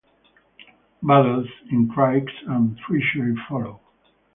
Battles, intrigues, and treachery follow.